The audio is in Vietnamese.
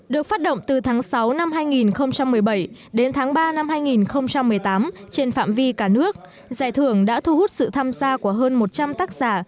được phát động từ tháng sáu năm hai nghìn một mươi bảy đến tháng ba năm hai nghìn một mươi tám trên phạm vi cả nước giải thưởng đã thu hút sự tham gia của hơn một trăm linh tác giả